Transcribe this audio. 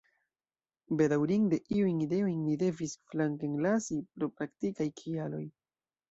Bedaŭrinde iujn ideojn ni devis flankenlasi pro praktikaj kialoj.